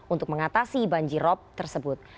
untuk mengatasi banjirop tersebut